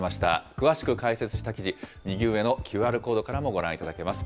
詳しく解説した記事、右上のＱＲコードからもご覧いただけます。